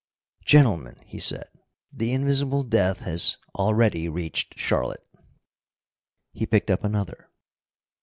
"Gentlemen," he said, "the Invisible Death has already reached Charlotte." He picked up another.